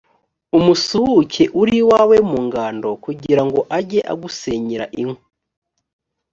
umusuhuke uri iwawe mu ngando, kugira ngo ajye agusenyera inkwi